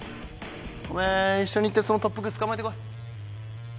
おめえ一緒に行ってその特服捕まえてこい。